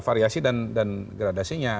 variasi dan gradasinya